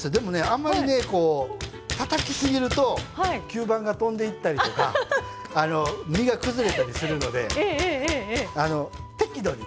あんまりねたたきすぎると吸盤が飛んでいったりとか身が崩れたりするので適度に。